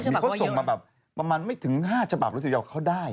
มีเค้าส่งมาแบบประมาณไม่ถึง๕ภาพฯหรือ๑๐หยังว่าเขาได้